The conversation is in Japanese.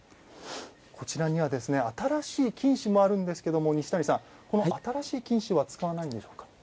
こちらには新しい金糸もあるんですけれどもこの新しい金糸は使わないんでしょうか？